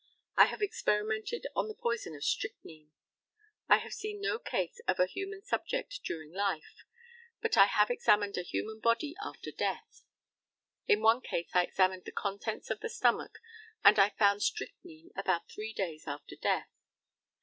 I have experimented on the poison of strychnine. I have seen no case of a human subject during life, but I have examined a human body after death. In one case I examined the contents of the stomach and I found strychnine about three days after death.